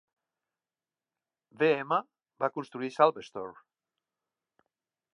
Wm va construir "Salvestor".